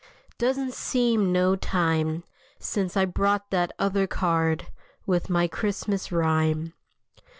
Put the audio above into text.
Doesn't seem no time Since I brought that other card With my Christmas rhyme.